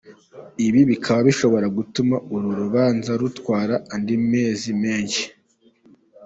Ibi bikaba bishobora gutuma uru rubanza rutwara andi mezi menshi.